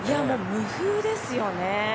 もう無風ですよね。